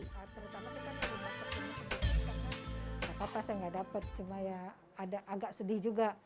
gak apa apa saya gak dapat cuma ya agak sedih juga